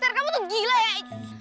ntar kamu tuh gila ya